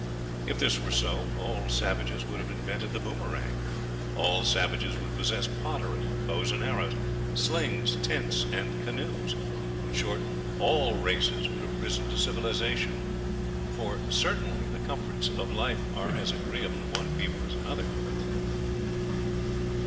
If this were so, all savages would have invented the boomerang; all savages would possess pottery, bows and arrows, slings, tents, and canoes; in short, all races would have risen to civilization, for certainly the comforts of life are as agreeable to one people as another.